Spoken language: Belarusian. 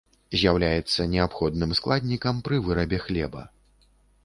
З'яўляецца неабходным складнікам пры вырабе хлеба.